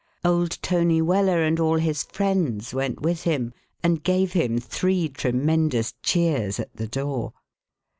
Old Tony Weller and all his friends went with him, and gave him three tremendous cheers at the door.